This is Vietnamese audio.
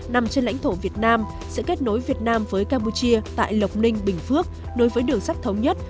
nằm trên lãnh thổ việt nam sẽ kết nối việt nam với campuchia tại lộc ninh bình phước nối với đường sắt thống nhất